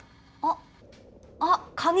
あっ。